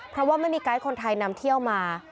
เพราะว่าไม่มีไกด์คนไทยนำเที่ยวมา